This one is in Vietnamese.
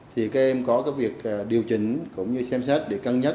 thì các em có cái việc điều chỉnh cũng như xem xét để cân nhắc